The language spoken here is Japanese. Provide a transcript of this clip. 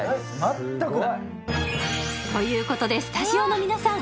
全くない！ということでスタジオの皆さん